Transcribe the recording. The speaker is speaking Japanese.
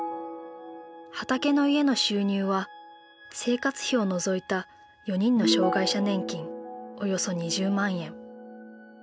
はたけのいえの収入は生活費を除いた４人の障害者年金およそ２０万円。